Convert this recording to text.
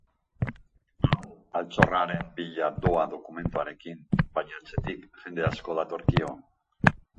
Hau, altxorraren bila doa dokumentuarekin, baina atzetik jende asko datorkio.